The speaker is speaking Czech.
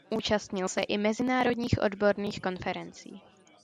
Účastnil se i mezinárodních odborných konferencí.